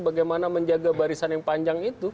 bagaimana menjaga barisan yang panjang itu